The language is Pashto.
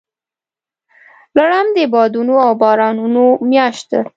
لړم د بادونو او بارانونو میاشت ده.